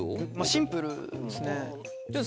シンプルですね。